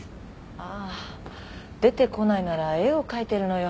ああ出てこないなら絵を描いてるのよ。